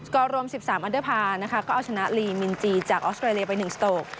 ก็รวม๑๓อันเดอร์พาร์นะคะก็เอาชนะลีมินจีจากออสเตรเลียไป๑สโตก